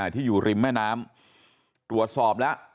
ที่อยู่ริมแม่น้ำตรวจสอบแล้ว